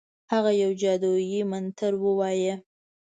هغه یو جادویي منتر ووایه.